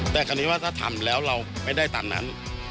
แต่คราวนี้ว่าถ้าทำแล้วเราไม่ได้ตามนั้น